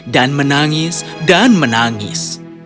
dan menangis dan menangis